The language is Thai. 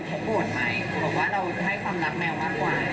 แล้วก็เหมือนเขาบ่นไหมบอกว่าเราให้ความรักแมวมากกว่า